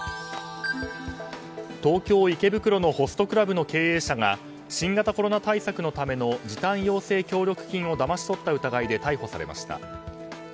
東京・池袋のホストクラブの経営者が新型コロナ対策のための時短要請協力金をだまし取った疑いで逮捕されました。